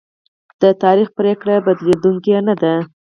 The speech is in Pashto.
د تاریخ پرېکړه بدلېدونکې نه ده.